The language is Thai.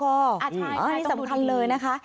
ใช่ใช่สำคัญเลยนะคะ